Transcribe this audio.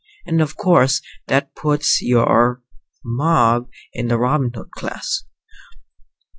"And of course that puts your ... mob in the Robin Hood class."